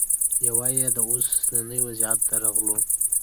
یوه یې د اوسني وضعیت د رغولو